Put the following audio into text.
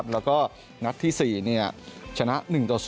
แล้วก็นัดที่๔ชนะ๑ต่อ๐